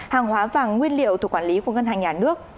hàng hóa vàng nguyên liệu thuộc quản lý của ngân hàng nhà nước